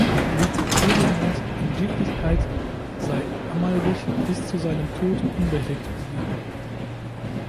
Ludwig Hödl meint, in Wirklichkeit sei Amalrich bis zu seinem Tod unbehelligt geblieben.